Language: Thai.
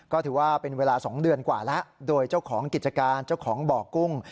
ก็ถือว่าเป็นเวลา๒เดือนกว่าแล้วโดยเจ้าของกิจการเจ้าของบ่อกุ้ง